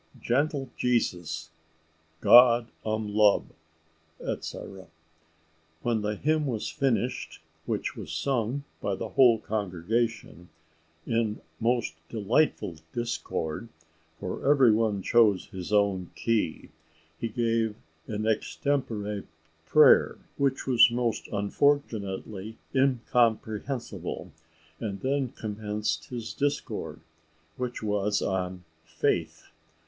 "Gentle Jesus, God um lub," etc. When the hymn was finished, which was sung by the whole congregation, in most delightful discord for every one chose his own key he gave an extempore prayer, which was most unfortunately incomprehensible, and then commenced his discourse, which was on Faith.